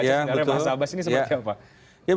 karena bahasa abas ini seperti apa